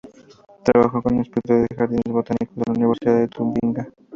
Trabajó como inspector de los Jardines Botánicos de la Universidad de Tubinga.